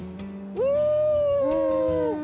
うん！